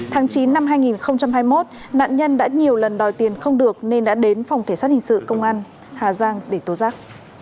tháng chín năm hai nghìn hai mươi một nạn nhân đã nhiều lần đòi tiền không được nên đã đến phòng cảnh sát hình sự công an hà giang để tố giác